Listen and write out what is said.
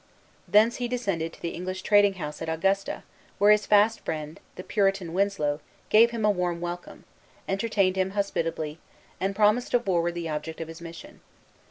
Thence he descended to the English trading house at Augusta, where his fast friend, the Puritan Winslow, gave him a warm welcome, entertained him hospitably, and promised to forward the object of his mission.